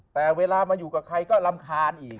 แต่เวลามาอยู่กับใครก็รำคาญอีก